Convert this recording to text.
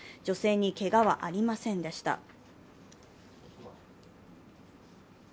女性にけがはありませんでした。